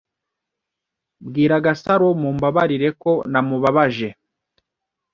Bwira Gasaro Mumbabarire ko namubabaje.